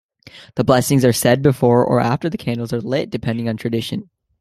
The blessings are said before or after the candles are lit depending on tradition.